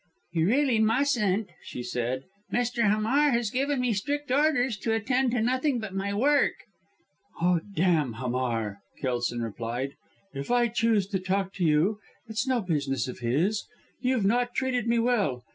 "You really mustn't," she said. "Mr. Hamar has given me strict orders to attend to nothing but my work." "Oh, damn Hamar!" Kelson replied, "if I choose to talk to you it's no business of his. You've not treated me well.